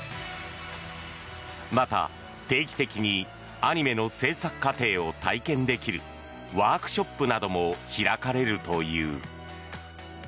また、定期的にアニメの制作過程を体験できるワークショップなども開かれるという。